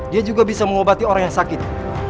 dia juga bisa mengobati orang yang sakit